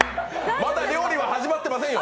まだ料理は始まってませんよ。